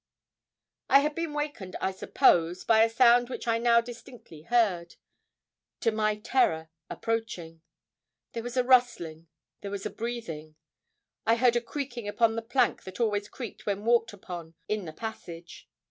I had been wakened, I suppose, by a sound which I now distinctly heard, to my great terror, approaching. There was a rustling; there was a breathing. I heard a creaking upon the plank that always creaked when walked upon in the passage.